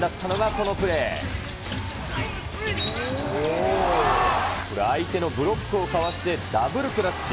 これ、相手のブロックをかわしてダブルクラッチ。